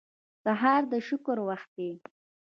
سهار د شکر وخت دی.